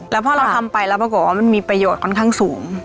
แล้วพอเราทำไปแล้วปรากฏว่ามันมีประโยชน์ค่อนข้างสูง